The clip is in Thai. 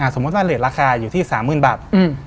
สมมุติว่าเลสราคาอยู่ที่๓๐๐๐บาท